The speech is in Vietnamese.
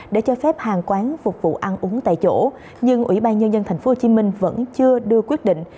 để cho phép hàng quán phục vụ ăn uống tại chỗ nhưng ủy ban nhân dân tp hcm vẫn chưa đưa quyết định